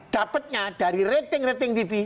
dapatnya dari rating rating tv